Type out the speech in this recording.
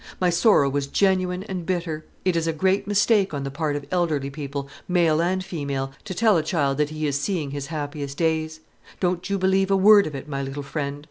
My sorrow was genuine and bitter. It is a great mistake on the part of elderly people, male and female, to tell a child that he is seeing his happiest days. Don't you believe a word of it, my little friend.